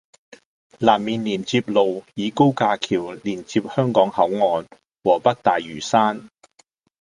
南面連接路以高架橋連接香港口岸和北大嶼山